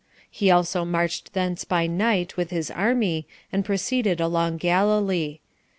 He also marched thence by night with his army, and proceeded along Galilee.